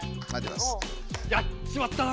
やっちまったな！